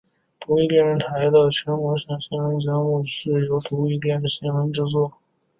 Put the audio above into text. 独立电视台的全国性新闻节目是由独立电视新闻制作。